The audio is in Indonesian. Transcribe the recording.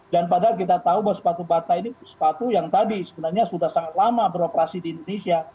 dan padahal kita tahu bahwa sepatu bata ini sepatu yang tadi sebenarnya sudah sangat lama beroperasi di indonesia